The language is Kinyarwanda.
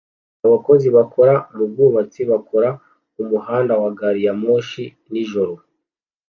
Abakozi bakora mu bwubatsi bakora umuhanda wa gari ya moshi nijoro